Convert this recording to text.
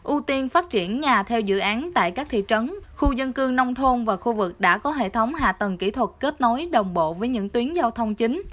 ưu tiên phát triển nhà theo dự án tại các thị trấn khu dân cư nông thôn và khu vực đã có hệ thống hạ tầng kỹ thuật kết nối đồng bộ với những tuyến giao thông chính